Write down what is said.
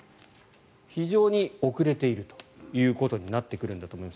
非常に遅れているということになってくるんだと思います。